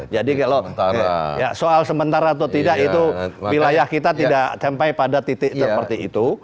jadi kalau soal sementara atau tidak itu wilayah kita tidak sampai pada titik seperti itu